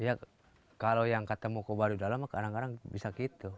iya kalau yang ketemu ke baduy dalam kadang kadang bisa gitu